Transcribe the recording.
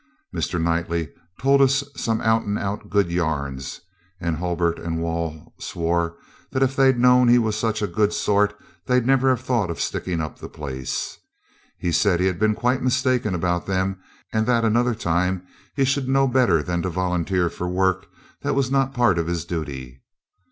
Mr. Knightley told us some out and out good yarns, and Hulbert and Wall swore that if they'd known he was such a good sort they'd never have thought of sticking up the place. He said he had been quite mistaken about them, and that another time he should know better than to volunteer for work that was not part of his duty.